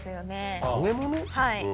はい。